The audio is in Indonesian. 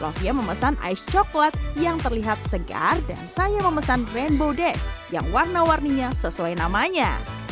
sofia memesan ice coklat yang terlihat segar dan saya memesan brand bowdesh yang warna warninya sesuai namanya